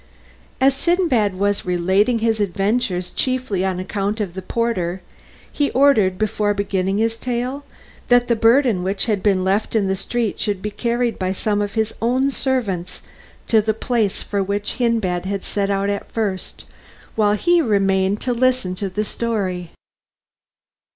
As Sindbad was relating his adventures chiefly on account of the porter, he ordered, before beginning his tale, that the burden which had been left in the street should be carried by some of his own servants to the place for which Hindbad had set out at first, while he remained to listen to the story.